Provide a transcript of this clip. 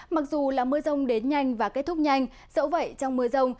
mặc dù là mưa rông đến nhanh và kết thúc nhanh dẫu vậy trong mưa rông